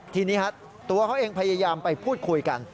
ทีนี้ตัวเขาเองพยายามไปพูดคุยกัน